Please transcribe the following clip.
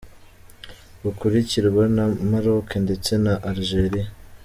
Rukurikirwa na Maroc ndetse na Algérie.